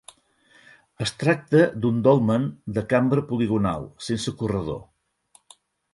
Es tracta d'un dolmen de cambra poligonal, sense corredor.